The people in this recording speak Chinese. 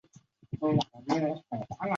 默克西人口变化图示